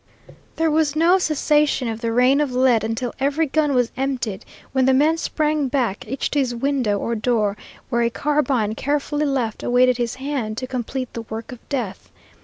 There was no cessation of the rain of lead until every gun was emptied, when the men sprang back, each to his window or door, where a carbine, carefully left, awaited his hand to complete the work of death.